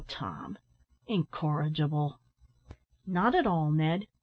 Tom incorrigible!" "Not at all, Ned.